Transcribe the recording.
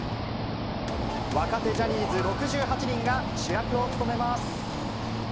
若手ジャニーズ６８人が主役を務めます。